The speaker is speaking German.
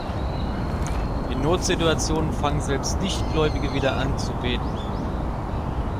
In Notsituationen fangen selbst Nichtgläubige wieder an, zu beten.